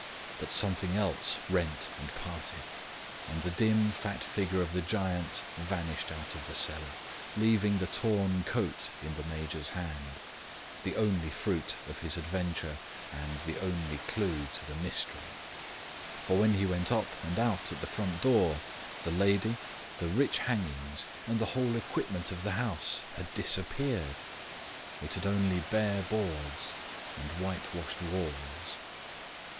But something else rent and parted; and the dim fat figure of the giant vanished out of the cellar, leaving the torn coat in the Major's hand; the only fruit of his adventure and the only clue to the mystery. For when he went up and out at the front door, the lady, the rich hangings, and the whole equipment of the house had disappeared. It had only bare boards and whitewashed walls.